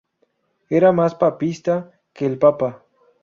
Era más papista que el Papa